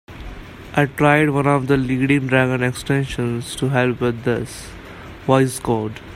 I tried one of the leading Dragon extensions to help with this, Voice Code.